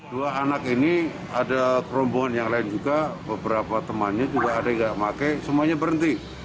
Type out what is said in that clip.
dua anak ini ada kerombongan yang lain juga beberapa temannya juga ada yang nggak pakai semuanya berhenti